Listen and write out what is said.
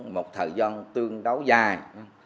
một thời gian tương đấu dài